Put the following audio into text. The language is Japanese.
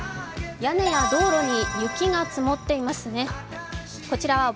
屋根や道路に雪が積もっていますね。